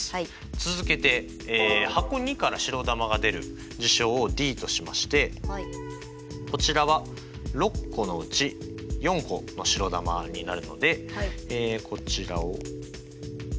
続けて箱②から白球が出る事象をＤとしましてこちらは６個のうち４個の白球になるのでこちらをはい３分の２になりますね。